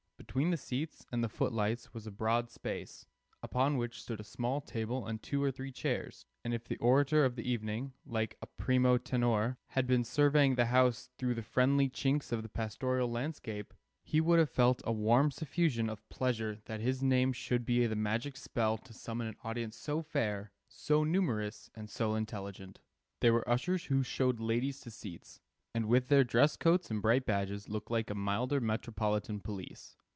Between the seats and the foot lights was a broad space, upon which stood a small table and two or three chairs; and if the orator of the evening, like a primo tenore, had been surveying the house through the friendly chinks of the pastoral landscape, he would have felt a warm suffusion of pleasure that his name should be the magic spell to summon an audience so fair, so numerous, and so intelligent. There were ushers who showed ladies to seats, and with their dress coats and bright badges looked like a milder Metropolitan police.